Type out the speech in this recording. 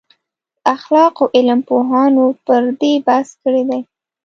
د اخلاقو علم پوهانو پر دې بحث کړی دی.